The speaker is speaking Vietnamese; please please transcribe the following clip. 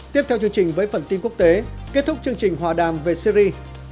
tiếp theo chương trình với phần tin quốc tế kết thúc chương trình hòa đàm về syri